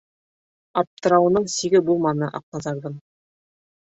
Аптырауының сиге булманы Аҡназарҙың.